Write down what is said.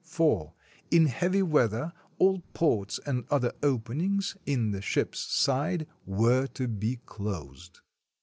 (4) In heavy weather all ports and other openings in the ship's side were to be closed."